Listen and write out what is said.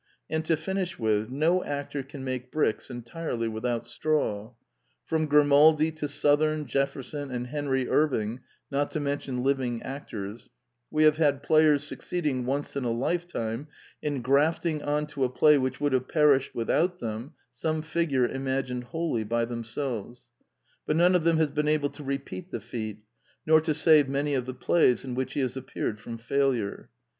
And to finish with, no actor can make bricks entirely without straw. From Grimaldi to Sothern, Jefferson, and Henry Irving (not to mention living actors) we have had players suc ceeding once in a lifetime in grafting on to a play which would have perished without them some figure imagined wholly by themselves; but none of them has been able to repeat the feat, nor to save many of the plays in which he has appeared from failure.